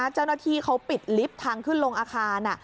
เจ้าหน้าที่เขาปิดลิฟต์ทางขึ้นลงอาคาร